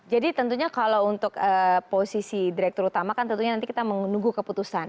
jadi tentunya kalau untuk posisi direktur utama kan tentunya nanti kita menunggu keputusan